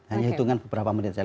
hanya hitungan beberapa menit